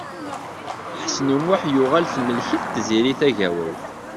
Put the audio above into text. Ḥsen U Muḥ yuɣal temmlek-it Tiziri Tagawawt.